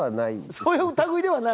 そういう類いではない？